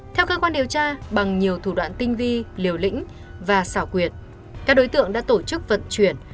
theo cơ quan điều tra bằng nhiều thủ đoạn tinh vi liều lĩnh và xảo quyệt các đối tượng đã tổ chức vận chuyển